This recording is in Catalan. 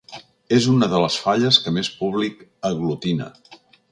És una de les falles que més públic aglutina.